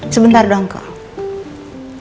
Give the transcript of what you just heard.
sebentar dong kok